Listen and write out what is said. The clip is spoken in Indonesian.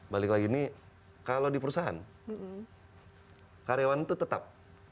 balik lagi ini kalau di perusahaan karyawan itu tetap